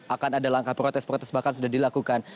akan ada langkah protes protes bahkan sudah dilakukan